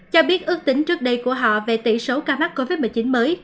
cho biết ước tính trước đây của họ về tỷ số ca mắc covid một mươi chín mới